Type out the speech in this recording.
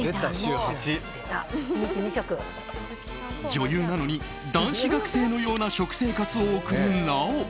女優なのに男子学生のような食生活を送る奈緒。